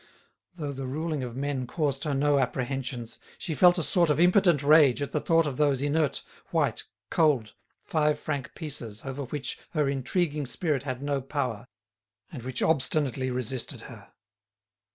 Though the ruling of men caused her no apprehensions, she felt a sort of impotent rage at the thought of those inert, white, cold, five franc pieces over which her intriguing spirit had no power, and which obstinately resisted her.